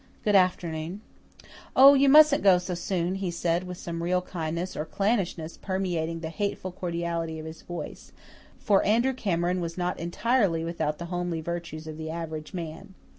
Good afternoon." "Oh, you mustn't go so soon," he said, with some real kindness or clannishness permeating the hateful cordiality of his voice for Andrew Cameron was not entirely without the homely virtues of the average man.